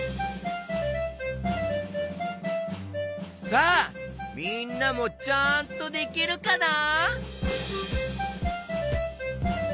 さあみんなもちゃんとできるかな？